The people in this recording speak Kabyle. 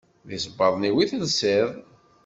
D isebbaḍen-iw i telsiḍ.